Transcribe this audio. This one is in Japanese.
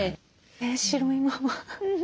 え白いまま。